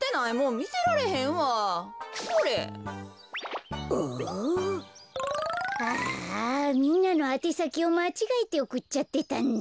みんなのあてさきをまちがえておくっちゃってたんだ。